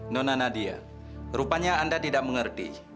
nona nadia rupanya anda tidak mengerti